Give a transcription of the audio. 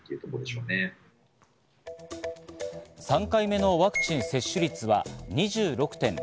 ３回目のワクチン接種率は２６．６％。